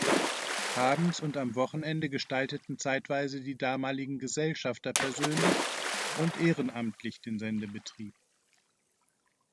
Abends und am Wochenende gestalteten zeitweise die damaligen Gesellschafter persönlich und ehrenamtlich den Sendebetrieb.